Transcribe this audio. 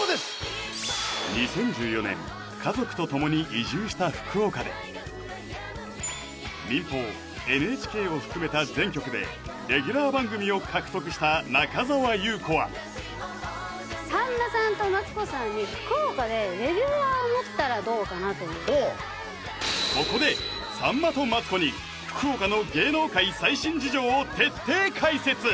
２０１４年家族とともに移住した福岡で民法ＮＨＫを含めた全局でレギュラー番組を獲得した中澤裕子はさんまさんとマツコさんにというそこでさんまとマツコに福岡の芸能界最新事情を徹底解説